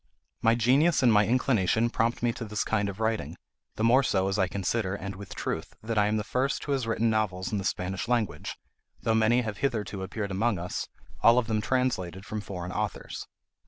My genius and my inclination prompt me to this kind of writing; the more so as I consider (and with truth) that I am the first who has written novels in the Spanish language, though many have hitherto appeared among us, all of them translated from foreign authors.